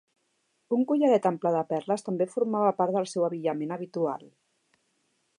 Un collaret ample de perles també formava part del seu abillament habitual.